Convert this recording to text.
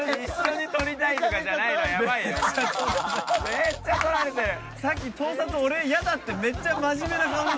めっちゃ撮られてる！